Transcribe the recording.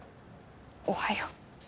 おはよう。